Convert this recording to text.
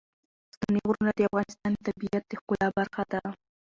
ستوني غرونه د افغانستان د طبیعت د ښکلا برخه ده.